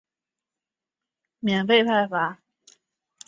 报纸创刊号亦于当日于全港十六处地方免费派发。